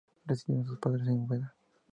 Residió con sus padres en Úbeda.